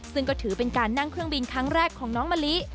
ซึ่งก็ถือเป็นการนั่งเครื่องบินครั้งแรกของน้องมะลิ